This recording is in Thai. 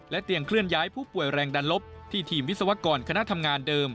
เตียงเคลื่อนย้ายผู้ป่วยแรงดันลบที่ทีมวิศวกรคณะทำงานเดิม